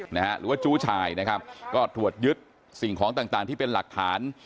หรือว่าจู้ชายนะครับก็ตรวจยึดสิ่งของต่างต่างที่เป็นหลักฐาน